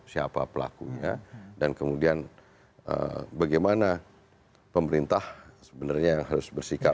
siapa pelakunya dan kemudian bagaimana pemerintah sebenarnya yang harus bersikap